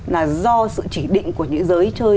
là do sự chỉ định của những giới chơi